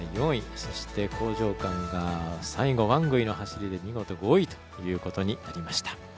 そして、興譲館が最後ワングイの走りで見事５位ということになりました。